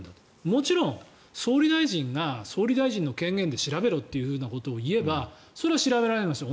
もちろん、総理大臣が総理大臣の権限で調べろっていうことを言えばそれは調べられますよ。